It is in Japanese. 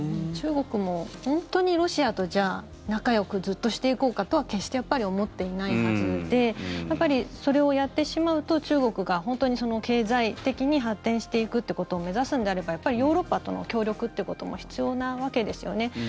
中国も本当にロシアとじゃあ仲よくずっとしていこうかとは決してやっぱり思っていないはずでそれをやってしまうと中国が本当に経済的に発展していくということを目指すのであればヨーロッパとの協力ということも必要なわけですよね。